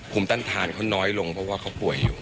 ต้านทานเขาน้อยลงเพราะว่าเขาป่วยอยู่